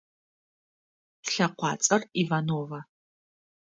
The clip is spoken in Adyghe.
Слъэкъуацӏэр Иванова.